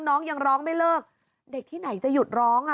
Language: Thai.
น้องยังร้องไม่เลิกเด็กที่ไหนจะหยุดร้องอ่ะ